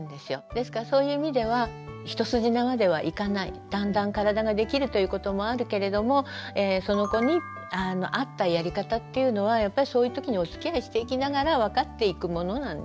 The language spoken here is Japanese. ですからそういう意味では一筋縄ではいかないだんだん体ができるということもあるけれどもその子にあったやり方っていうのはやっぱりそういうときにおつきあいしていきながら分かっていくものなんですよね。